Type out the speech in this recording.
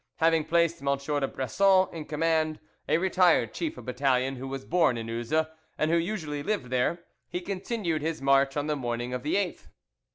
Having placed M. de Bresson in command, a retired chief of battalion who was born in Uzes, and who usually lived there, he continued his march on the morning of the 8th.